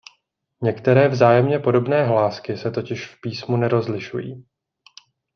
Některé vzájemně podobné hlásky se totiž v písmu nerozlišují.